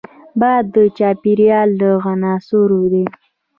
باد د چاپېریال له عناصرو دی